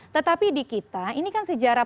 tetapi di kita ini kan sejarah